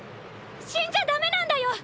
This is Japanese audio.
死んじゃダメなんだよ。